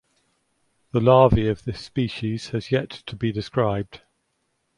The larvae of this species has yet to be described.